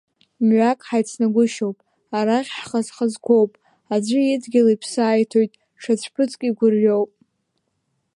Мҩак ҳаицангәышьоуп, арахь ҳхаз-хазқәоуп, аӡәы идгьыл иԥсы аиҭоит, ҽаӡә ҭыԥк игәырҩоуп.